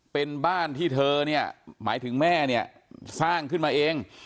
เป็นบ้านที่เธอเนี่ยหมายถึงแม่เนี่ยสร้างขึ้นมาเอง